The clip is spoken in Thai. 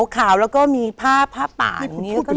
ขาวแล้วก็มีผ้าปาก